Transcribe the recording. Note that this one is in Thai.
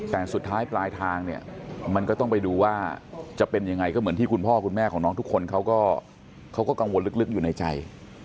แต่สุดท้ายปลายทางเนี่ยมันก็ต้องไปดูว่าจะเป็นยังไงก็เหมือนที่คุณพ่อคุณแม่ของน้องทุกคนเขาก็กังวลลึกอยู่ในใจ